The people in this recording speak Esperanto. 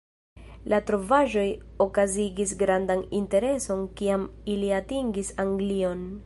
La trovaĵoj okazigis grandan intereson kiam ili atingis Anglion.